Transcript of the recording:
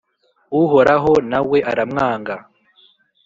Uhoraho na we aramwanga.